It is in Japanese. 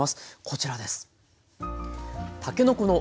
こちらです。